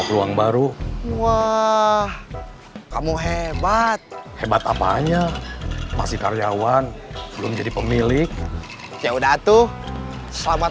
ruang baru wah kamu hebat hebat apa aja masih karyawan belum jadi pemilik ya udah atuh selamat